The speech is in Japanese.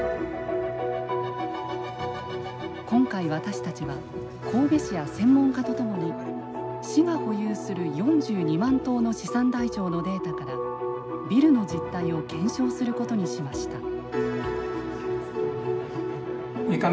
今回私たちは神戸市や専門家とともに市が保有する４２万棟の資産台帳のデータからビルの実態を検証することにしました。